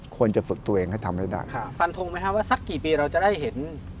ควรจะฝึกตัวเองให้ทำให้ได้ค่ะฟันทงไหมฮะว่าสักกี่ปีเราจะได้เห็น